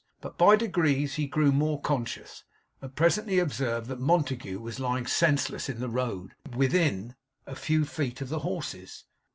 But, by degrees, he grew more conscious, and presently observed that Montague was lying senseless in the road, within a few feet of the horses.